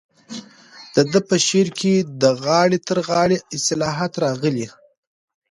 د ده په شعر کې د غاړې تر غاړې اصطلاح راغلې.